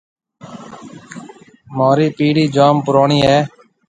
مهورِي پيڙهيَ جوم پُروڻِي هيَ۔